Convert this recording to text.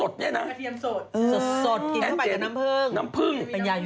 กระเทียมสดใช่ไหม